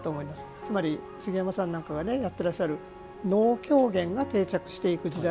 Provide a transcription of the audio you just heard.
つまり、茂山さんなんかがやってらっしゃる能・狂言が定着していく時代。